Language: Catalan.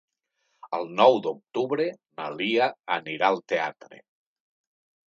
El nou d'octubre na Lia anirà al teatre.